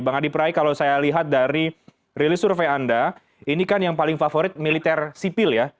bang adi prai kalau saya lihat dari rilis survei anda ini kan yang paling favorit militer sipil ya